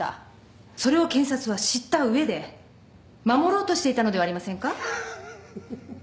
それを検察は知った上で守ろうとしていたのではありませんか。